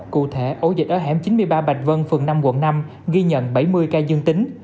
cụ thể ổ dịch ở hẻm chín mươi ba bạch vân phường năm quận năm ghi nhận bảy mươi ca dương tính